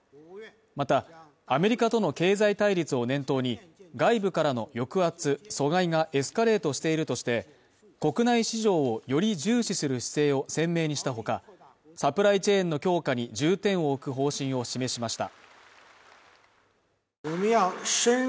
また、アメリカとの経済対立を念頭に外部からの抑圧・阻害がエスカレートしているとして国内市場をより重視する姿勢を鮮明にした他、サプライチェーンの強化に重点を置く方針を示しました。